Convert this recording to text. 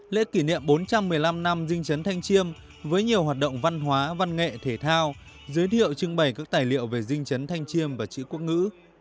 lễ kỷ niệm bốn trăm một mươi năm năm dinh chấn thanh chiêm với nhiều hoạt động văn hóa văn nghệ thể thao giới thiệu trưng bày các tài liệu về dinh chấn thanh chiêm và chữ quốc ngữ